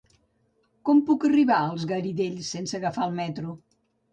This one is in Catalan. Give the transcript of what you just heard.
Com puc arribar als Garidells sense agafar el metro?